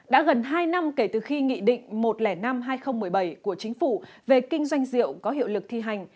đã gần hai năm kể từ khi nghị định một trăm linh năm hai nghìn một mươi bảy của chính phủ về kinh doanh rượu có hiệu lực thi hành